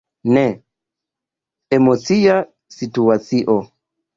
Ne, emocia situacio!